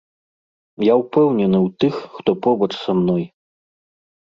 Я ўпэўнены ў тых, хто побач са мной.